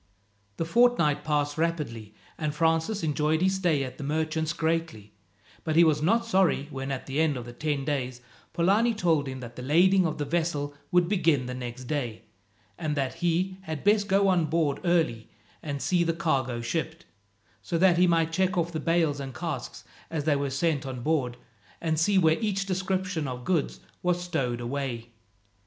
The fortnight passed rapidly, and Francis enjoyed his stay at the merchant's greatly, but he was not sorry when, at the end of ten days, Polani told him that the lading of the vessel would begin the next day, and that he had best go on board early and see the cargo shipped, so that he might check off the bales and casks as they were sent on board, and see where each description of goods was stowed away.